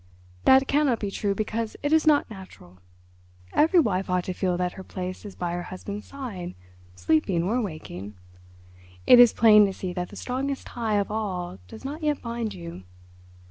"That cannot be true because it is not natural. Every wife ought to feel that her place is by her husband's side—sleeping or waking. It is plain to see that the strongest tie of all does not yet bind you.